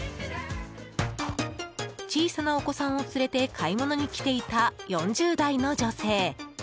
小さなお子さんを連れて買い物に来ていた４０代の女性。